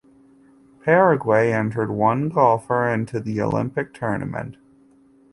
Paraguay entered one golfer into the Olympic tournament.